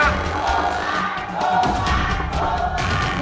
ถูกกว่า